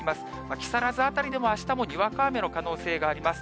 木更津辺りでもあしたはにわか雨の可能性があります。